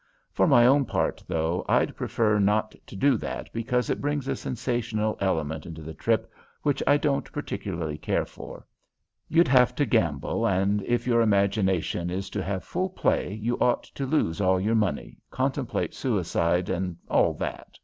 For my own part, though, I'd prefer not to do that, because it brings a sensational element into the trip which I don't particularly care for. You'd have to gamble, and if your imagination is to have full play you ought to lose all your money, contemplate suicide, and all that.